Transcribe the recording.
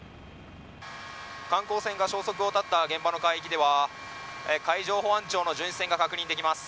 観光船が消息を絶った現場の海域では海上保安庁の巡視船が確認できます。